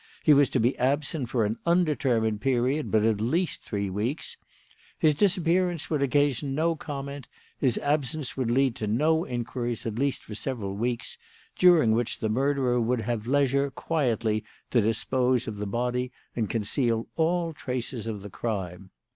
He was to be absent for an undetermined period, but at least three weeks. His disappearance would occasion no comment; his absence would lead to no inquiries, at least for several weeks, during which the murderer would have leisure quietly to dispose of the body and conceal all traces of the crime.